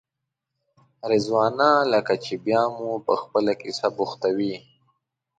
رضوانه لکه چې بیا مو په خپله کیسه بوختوې.